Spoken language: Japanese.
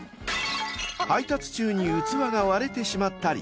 ［配達中に器が割れてしまったり］